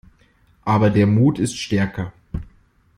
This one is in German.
Aber der Mut ist stärker.